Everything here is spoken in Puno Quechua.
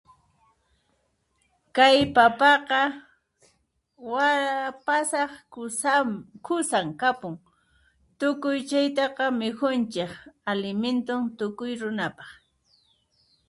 Kay papaqa, waa pasaq kusan khusan kapun tukuy chaytaqa mikhunchiq alimentun tukuy runapaq.